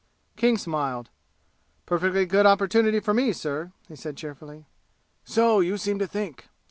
King smiled. "Perfectly good opportunity for me, sir!" he said cheerfully. "So you seem to think.